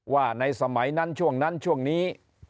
ว่าในสมัยนั้นช่วงนั้นช่วงนี้